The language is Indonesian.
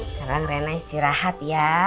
sekarang rena istirahat ya